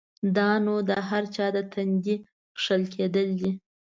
دا نو د هر چا د تندي کښل کېدل دی؛